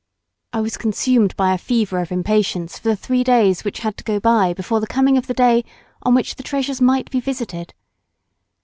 I was consumed by a fever of impatience for the three days which had to go by before the coming of the day on which the treasures might be visited.